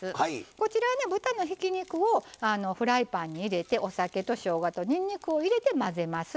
こちらは、豚のひき肉をフライパンに入れてお酒、しょうがにんにくを入れて混ぜます。